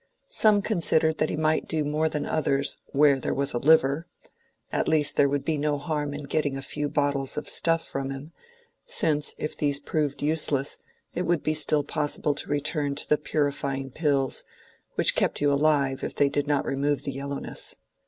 Some considered that he might do more than others "where there was liver;"—at least there would be no harm in getting a few bottles of "stuff" from him, since if these proved useless it would still be possible to return to the Purifying Pills, which kept you alive if they did not remove the yellowness.